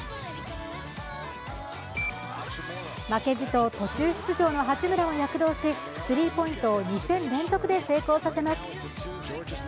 負けじと途中出場の八村も躍動しスリーポイントを２戦連続で成功させます。